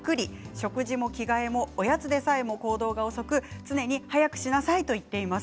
食事も着替えも、おやつでさえも行動が遅く常に早くしなさいと言っています。